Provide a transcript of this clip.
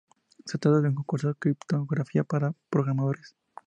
Se trata de un curso de criptografía para programadores.